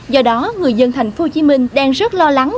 do đó người dân tp hcm đang rất lo lắng